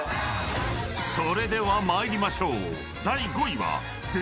［それでは参りましょう］